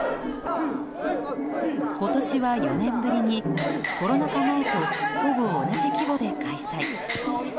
今年は４年ぶりにコロナ禍前とほぼ同じ規模で開催。